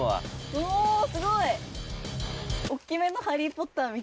うおすごい！